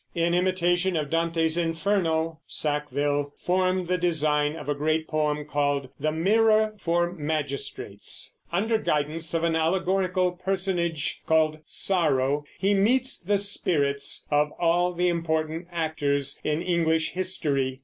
In imitation of Dante's Inferno, Sackville formed the design of a great poem called The Mirror for Magistrates. Under guidance of an allegorical personage called Sorrow, he meets the spirits of all the important actors in English history.